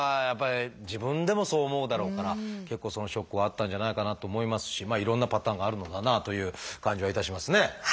やっぱり自分でもそう思うだろうから結構そのショックはあったんじゃないかなと思いますしいろんなパターンがあるのだなという感じはいたしますね。